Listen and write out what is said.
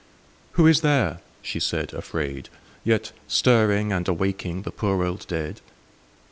II. Who is there, she said afraid, yet Stirring and awaking The poor old dead?